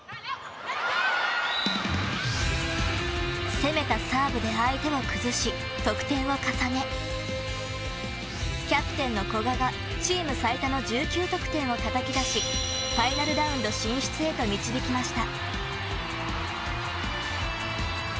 攻めたサーブで相手を崩し得点を重ねキャプテンの古賀がチーム最多の１９得点をたたき出しファイナルラウンド進出へと導きました。